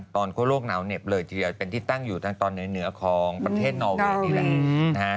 ตอนคั่วโลกอันหนาวเหน็บเลยเป็นที่ตั้งอยู่ตอนเหนือของประเทศนอลเวียนนี่แหละ